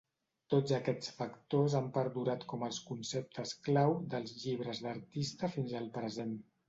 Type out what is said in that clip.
Tots aquests factors han perdurat com els conceptes clau dels llibres d'artista fins al present.